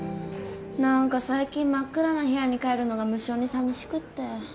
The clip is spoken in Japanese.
何か最近真っ暗な部屋に帰るのが無性にさみしくって。